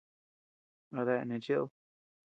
¿Adeea neʼe cheed?.